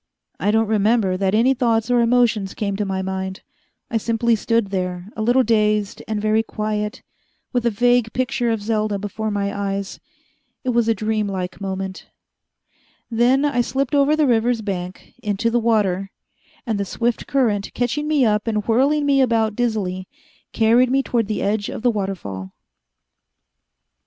I don't remember that any thoughts or emotions came to my mind. I simply stood there, a little dazed, and very quiet, with a vague picture of Selda before my eyes. It was a dream like moment. Then I slipped over the river's bank, into the water, and the swift current, catching me up and whirling me around dizzily, carried me toward the edge of the waterfall.